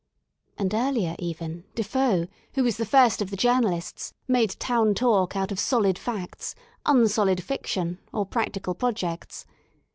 And earlier, even, Defoe^ who was the first of the JournalistSj made Town Talk out of solid facts, unsolid fiction, or practical pro jects.